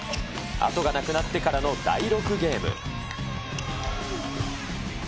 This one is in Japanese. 後がなくなってからの第６ゲーム。